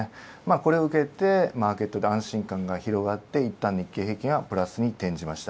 これを受けて、マーケットで安心感が広がりいったん日経平均がプラスに転じました。